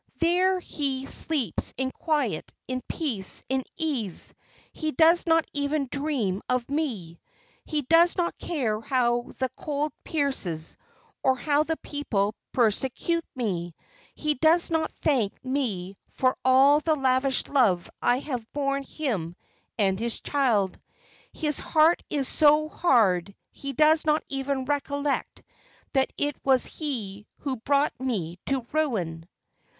there he sleeps in quiet, in peace, in ease he does not even dream of me he does not care how the cold pierces, or how the people persecute me! He does not thank me for all the lavish love I have borne him and his child! His heart is so hard, he does not even recollect that it was he who brought me to ruin."